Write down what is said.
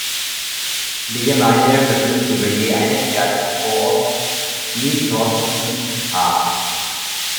Die Gemeinde verfügt über je eine Filiale von Coop, Migros und Spar.